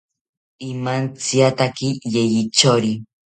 Imantsiataki yeyithori